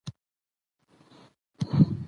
ځوانان د بېکاری د ستونزو د حل لپاره نوښتونه کوي.